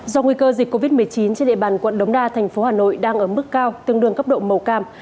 do nguy cơ dịch covid một mươi chín trên địa bàn quận đống đa thành phố hà nội đang ở mức cao tương đương cấp độ màu cam